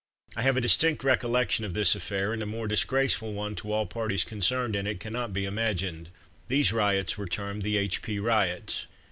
I have a distinct recollection of this affair, and a more disgraceful one to all parties concerned in it, cannot be imagined. These riots were termed the H. P. riots.